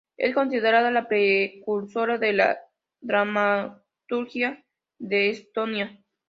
Es considerada la precursora de la dramaturgia de Estonia.